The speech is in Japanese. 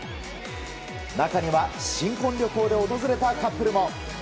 中には、新婚旅行で訪れたカップルも。